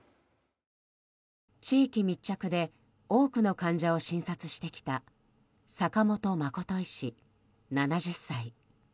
地域密着で多くの患者を診察してきた坂本誠医師、７０歳。